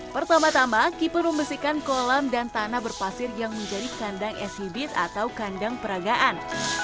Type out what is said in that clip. pertama tama keeper membersihkan kolam dan tanah berpasir yang menjadi kandang esibit atau kandang peragaan